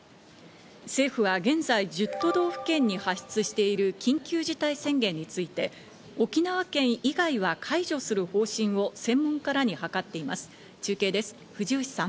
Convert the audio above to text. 政府は現在１０都道府県に発出している緊急事態宣言について、沖縄県以外は解除する方針を専門家らに諮っています中継です、藤吉さん。